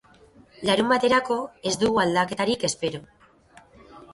Larunbaterako ez dugu aldaketarik espero.